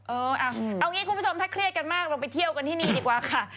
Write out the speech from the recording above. เอางี้คุณผู้ชมถ้าเครียดกันมากเราไปเที่ยวกันที่นี่ดีกว่าค่ะ